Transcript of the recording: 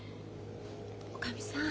おかみさん。